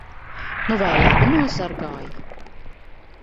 Nu vai labi nosargāji?